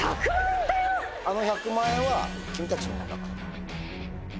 あの１００万円は君たちのものだから今。